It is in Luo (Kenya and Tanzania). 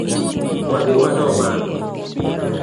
Wadhi wado bando.